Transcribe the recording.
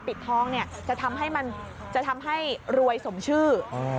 ปิดท้องจะทำให้รวยสมชื่อ